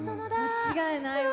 間違いないわ。